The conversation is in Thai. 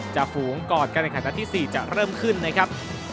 จะฝูงกอดกันนะครับทั้งที่๔จะเริ่มขึ้นนะครับ